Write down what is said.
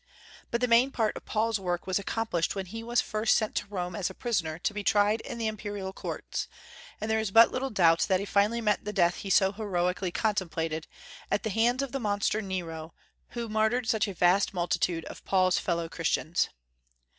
But the main part of Paul's work was accomplished when he was first sent to Rome as a prisoner to be tried in the imperial courts; and there is but little doubt that he finally met the death he so heroically contemplated, at the hands of the monster Nero, who martyred such a vast multitude of Paul's fellow Christians.